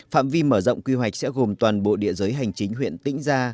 phạm vi mở rộng quy hoạch sẽ gồm toàn bộ địa giới hành chính huyện tĩnh gia